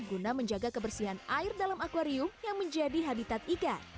guna menjaga kebersihan air dalam akwarium yang menjadi habitat ikan